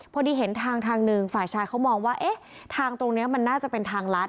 พอดีเห็นทางทางหนึ่งฝ่ายชายเขามองว่าเอ๊ะทางตรงนี้มันน่าจะเป็นทางลัด